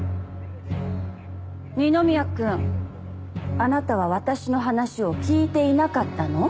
あなたは私の話を聞いていなかったの？